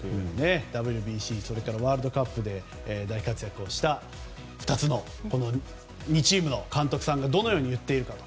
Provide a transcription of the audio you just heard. ＷＢＣ、ワールドカップで大活躍をした２チームの監督さんがどのように言っているか。